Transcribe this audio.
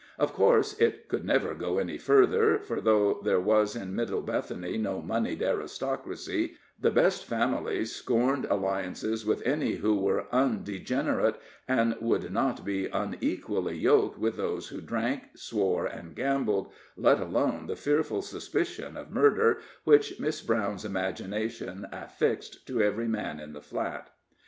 Of course, it could never go any further, for though there was in Middle Bethany no moneyed aristocracy, the best families scorned alliances with any who were undegenerate, and would not be unequally yoked with those who drank, swore, and gambled let alone the fearful suspicion of murder, which Miss Brown's imagination affixed to every man at the Flat.